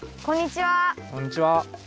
こんにちは。